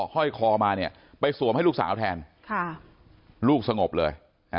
ห้อยคอมาเนี่ยไปสวมให้ลูกสาวแทนลูกสงบเลย